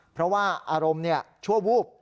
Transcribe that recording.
เพราะว่าอารมณ์ชั่ววูบ